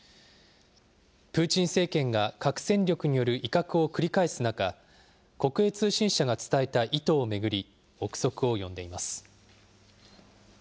プーチン政権が核戦力による威嚇を繰り返す中、国営通信社が伝えた意図を巡り、臆測を呼んでいます。